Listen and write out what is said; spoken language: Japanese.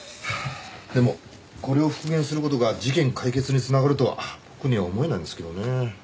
でもこれを復元する事が事件解決につながるとは僕には思えないんですけどねぇ。